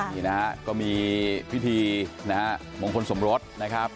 นี่นะฮะก็มีพิธีนะฮะมงคลสมรสนะครับ